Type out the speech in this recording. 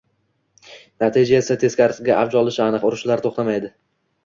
Natija esa teskarisiga avj olishi aniq: urishlar to‘xtamaydi